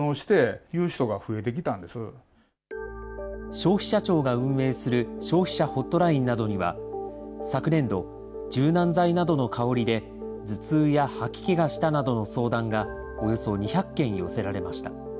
消費者庁が運営する消費者ホットラインなどには、昨年度、柔軟剤などの香りで頭痛や吐き気がしたなどの相談がおよそ２００件寄せられました。